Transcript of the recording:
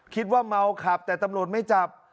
คิดว่าเมาขับแต่ตำรวจไม่จับ